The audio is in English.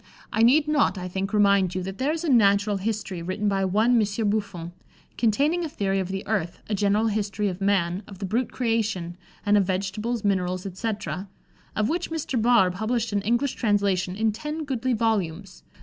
I need not, I think, remind you that there is a natural history written by one Monsieur Buffon, "containing a theory of the earth, a general history of man, of the brute creation, and of vegetables, minerals, etc.," of which Mr. Barr published an English translation in ten goodly volumes.